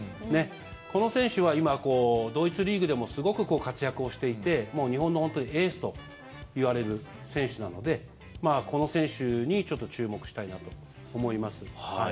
この選手は今、ドイツリーグでもすごく活躍をしていて日本の、本当にエースといわれる選手なのでこの選手に、ちょっと注目したいなと思います。